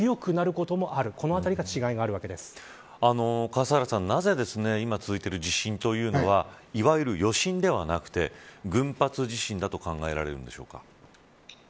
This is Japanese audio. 笠原さん、なぜ今続いている地震というのはいわゆる余震ではなくて群発地震だと考えられるんでしょうか。